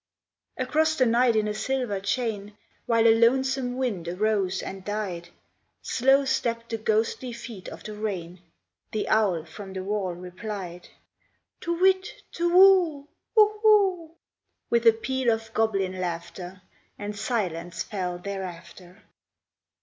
Across the night in a silver chain, While a lonesome wind arose and died, Slow stepped the ghostly feet of the rain; The owl from the wall replied: Tu whit, tu whoo, hoo hoo' With a peal of goblin laughter, And silence fell thereafter.